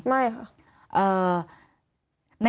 ไม่ค่ะ